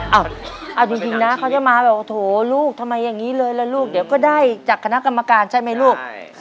เอาจริงนะเขาจะมาแบบโถลูกทำไมอย่างนี้เลยล่ะลูกเดี๋ยวก็ได้จากคณะกรรมการใช่ไหมลูก